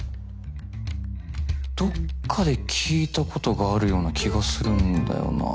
どっかで聞いたことがあるような気がするんだよな。